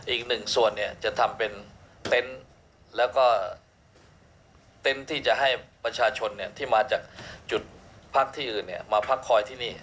อีกหนึ่งส่วนจะทำเป็นเต็นต์แล้วก็เต็นต์ที่จะให้ประชาชนที่มาจากจุดพักที่อื่นมาพักคอยที่นี่